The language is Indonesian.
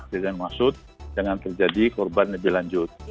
dengan maksud jangan terjadi korban lebih lanjut